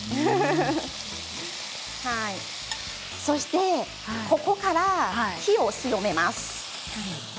そして、ここから火を強めます。